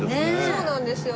そうなんですよ。